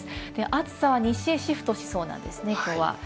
暑さは西へシフトしそうなんですね、きょうは。